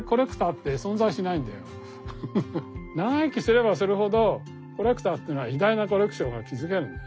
長生きすればするほどコレクターというのは偉大なコレクションが築けるんだね。